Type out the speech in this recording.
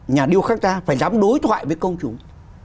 nhà điêu khắc ta phải dám đối thoại với công chúng